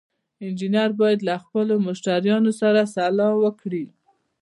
انجینر باید له خپلو مشتریانو سره سلا وکړي.